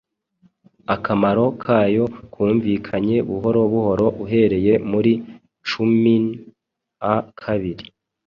Akamaro kayo kumvikanye buhoro buhoro uhereye muri cumin a kabiri.